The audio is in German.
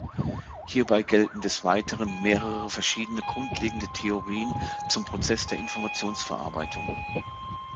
Hierbei gelten des Weiteren mehrere verschiedene grundlegende Theorien zum Prozess der Informationsverarbeitung.